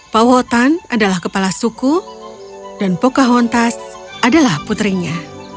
pawotan adalah kepala suku dan pocahontas adalah putrinya